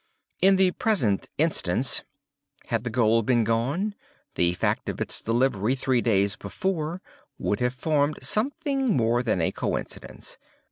In the present instance, had the gold been gone, the fact of its delivery three days before would have formed something more than a coincidence.